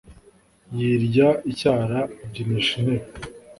Yirya icyara abyinisha intebe